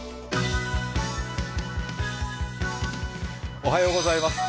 おはようございます。